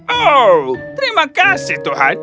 oh terima kasih tuhan